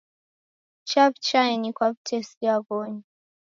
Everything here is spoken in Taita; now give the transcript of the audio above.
Chaw'uchaenyi kwa w'utesia ghonyu.